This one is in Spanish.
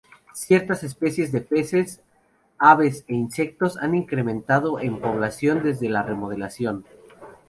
Ciertas especies de peces, aves e insectos han incrementado en población desde la remodelación.